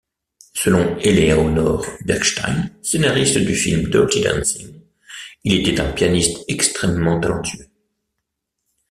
Selon Eleonor Bergstein, scénariste du film Dirty Dancing, il était un pianiste extrêmement talentueux.